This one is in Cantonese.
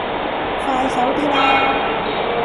快手啲啦